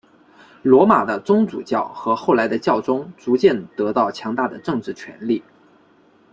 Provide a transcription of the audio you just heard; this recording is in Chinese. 罗马的宗主教和后来的教宗逐渐得到强大的政治权力。